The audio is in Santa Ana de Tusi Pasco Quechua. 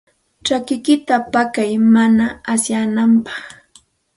Chakikiyta paqay mana asyananpaq.